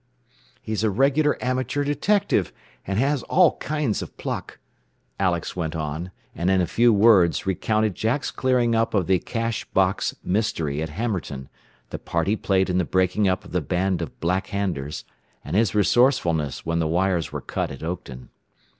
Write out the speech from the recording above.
"He is a regular amateur detective, and has all kinds of pluck," Alex went on, and in a few words recounted Jack's clearing up of the cash box mystery at Hammerton, the part he played in the breaking up of the band of Black Handers, and his resourcefulness when the wires were cut at Oakton.